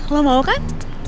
lo mau kan